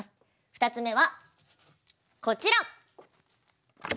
２つ目はこちら。